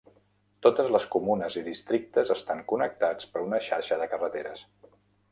Totes les comunes i districtes estan connectats per una xarxa de carreteres.